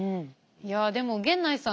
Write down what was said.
いやでも源内さん